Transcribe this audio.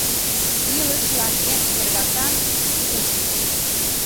Илышлан эн шергакан — уш.